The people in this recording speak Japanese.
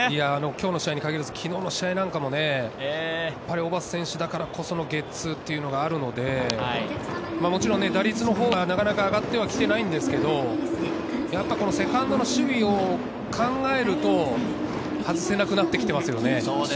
今日の試合に限らず昨日の試合なんかも、小幡選手だからこそのゲッツーっていうのがあるので、もちろん打率のほうはなかなか上がっては来てないんですけれど、やっぱりセカンドの守備を考えると、外せなくなってきてますよね。